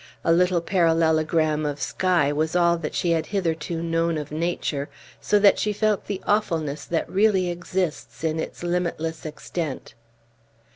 A little parallelogram of sky was all that she had hitherto known of nature, so that she felt the awfulness that really exists in its limitless extent.